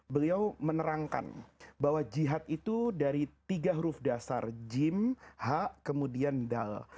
beliau menerangkan bahwa jihad itu dari tiga huruf dasar jim hak kemudian dal